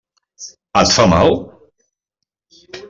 Et fa mal?